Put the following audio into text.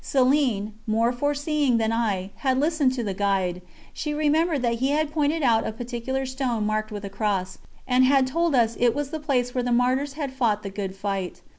Céline, more foreseeing than I, had listened to the guide. She remembered that he had pointed out a particular stone marked with a cross, and had told us it was the place where the Martyrs had fought the good fight.